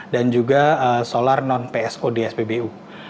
dan juga solar non pso dspbu